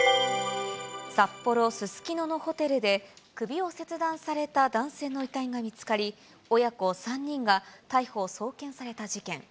札幌・すすきののホテルで、首を切断された男性の遺体が見つかり、親子３人が逮捕・送検された事件。